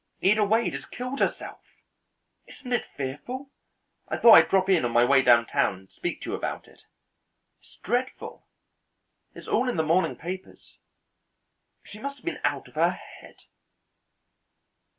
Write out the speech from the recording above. Ida Wade has killed herself! Isn't it fearful? I thought I'd drop in on my way downtown and speak to you about it. It's dreadful! It's all in the morning papers. She must have been out of her head."